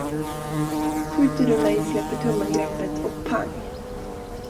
Skjuter du mig, släpper tummen greppet och pang.